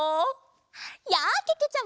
やあけけちゃま！